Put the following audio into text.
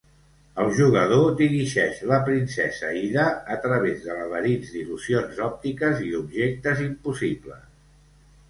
El jugador dirigeix la princesa Ida a través de laberints d'il·lusions òptiques i objectes impossibles.